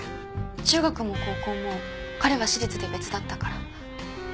中学も高校も彼は私立で別だったから。